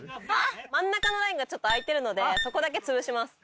真ん中のラインが空いてるのでそこだけつぶします。